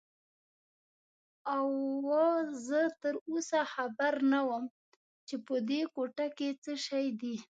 اوه، زه تراوسه خبر نه وم چې په دې کوټه کې څه شی دي.